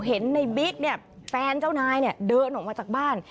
เห็นในบิ๊กเนี่ยแฟนเจ้านายเนี่ยเดินออกมาจากบ้าน